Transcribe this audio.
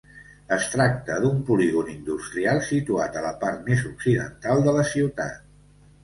Es tracta d'un polígon industrial situat a la part més occidental de la ciutat.